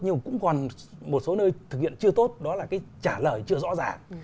nhưng cũng còn một số nơi thực hiện chưa tốt đó là cái trả lời chưa rõ ràng